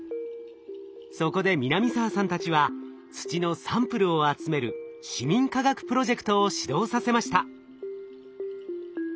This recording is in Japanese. そこで南澤さんたちは土のサンプルを集める市民科学プロジェクトを始動させました。